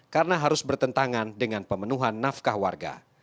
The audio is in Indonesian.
karena harus bertentangan dengan pemenuhan nafkah warga